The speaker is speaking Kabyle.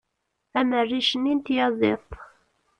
am rric-nni n tyaziḍt